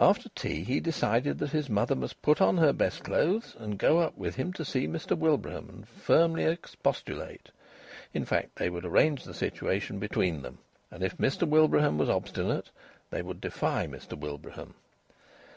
After tea he decided that his mother must put on her best clothes, and go up with him to see Mr Wilbraham and firmly expostulate in fact, they would arrange the situation between them; and if Mr Wilbraham was obstinate they would defy Mr Wilbraham.